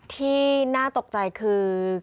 ที่น่าตกใจคือ